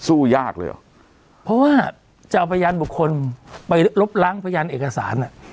สู้ยากเลยเหรอเพราะว่าจะเอาพยานบุคคลไปลบล้างพยานเอกสารอ่ะ